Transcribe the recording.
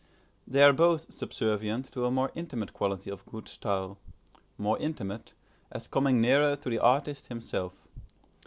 They are both subservient to a more intimate quality of good style: more intimate, as coming nearer to the artist himself.